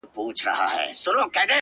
دا خو گراني ستا د حُسن اور دی لمبې کوي;